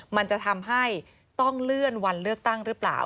มันจะทำให้ต้องเลื่อนวันเลือกตั้งหรือเปล่า